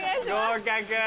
合格。